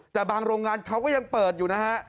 แต่บางโรงงานเขาก็ยังเปิดอยู่นะฮะ